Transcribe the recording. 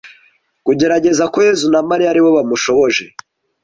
kugaragaza ko Yezu na Mariya ari bo bamushoboje